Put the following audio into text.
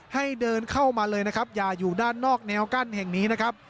ให้เดินเข้ามาเลยนะครับอย่าอยู่ด้านนอกแนวกั้นแห่งนี้นะครับ